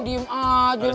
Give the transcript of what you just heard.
diam aja lu